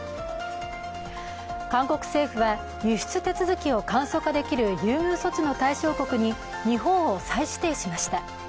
韓国政府は輸出手続きを簡素化できる優遇措置の対象国に日本を再指定しました。